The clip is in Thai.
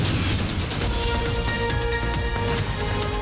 อันนี้ก็ไม่ใช่หนู